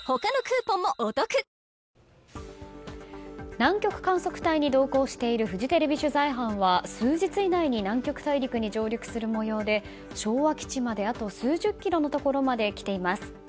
南極観測船に同行しているフジテレビ取材班は数日以内に南極に上陸する模様で、昭和基地まであと数十キロのところまで来ています。